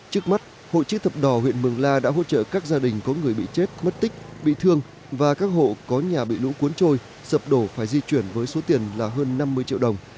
trước mắt hội chữ thập đỏ huyện mường la đã hỗ trợ các gia đình có người bị chết mất tích bị thương và các hộ có nhà bị lũ cuốn trôi sập đổ phải di chuyển với số tiền là hơn năm mươi triệu đồng